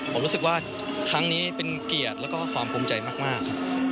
ผมรู้สึกว่าครั้งนี้เป็นเกียรติแล้วก็ความภูมิใจมากครับ